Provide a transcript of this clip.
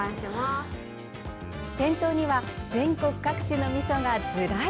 店頭には全国各地のみそがずらり。